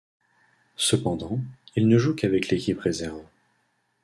Cependant, il ne joue qu'avec l'équipe réserve.